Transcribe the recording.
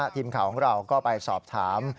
ทีมข่าวของเราก็ไปสอบถาม